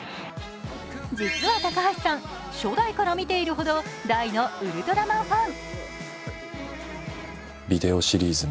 実は高橋さん、初代から見ているほど大のウルトラマンファン。